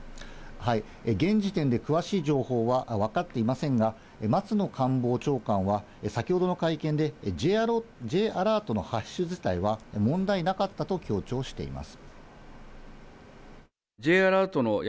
はい、現時点で詳しい情報はわかっていませんが、松野官房長官は先ほどの会見でＪアラートの発出自体は問題なかったと強調しています。